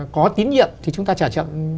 có tín nhiệm thì chúng ta trả chậm